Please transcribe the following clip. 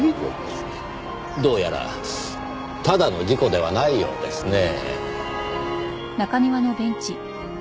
どうやらただの事故ではないようですねぇ。